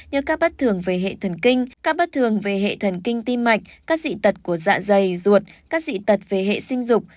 như các bất thường về hệ thần kinh các bất thường về hệ thần kinh tim mạch các dị tật của dạ dày ruột các dị tật về hệ sinh dục